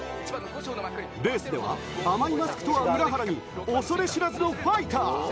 レースでは甘いマスクとは裏腹に、恐れ知らずのファイター。